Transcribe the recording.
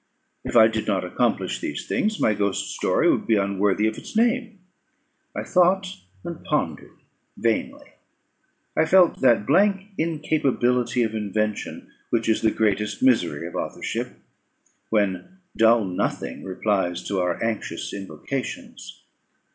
If I did not accomplish these things, my ghost story would be unworthy of its name. I thought and pondered vainly. I felt that blank incapability of invention which is the greatest misery of authorship, when dull Nothing replies to our anxious invocations.